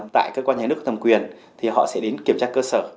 tại cơ quan nhà nước thẩm quyền thì họ sẽ đến kiểm tra cơ sở